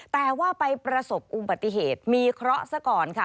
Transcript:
แต่ว่าไปประสบอุบัติเหตุมีเคราะห์ซะก่อนค่ะ